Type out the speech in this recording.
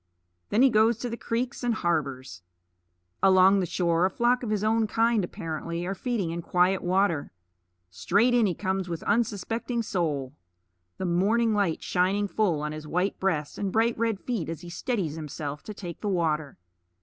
Then he goes to the creeks and harbors. Along the shore a flock of his own kind, apparently, are feeding in quiet water. Straight in he comes with unsuspecting soul, the morning light shining full on his white breast and bright red feet as he steadies himself to take the water.